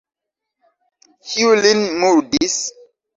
Kiu lin murdis?